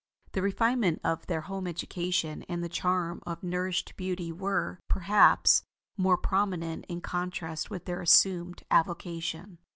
The refinement of their home education, and the charm of nourished beauty were, perhaps, more prominent in contrast with their assumed avocation.